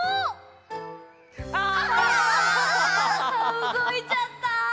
うごいちゃった。